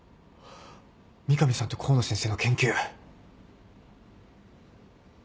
三上さんと河野先生の研究。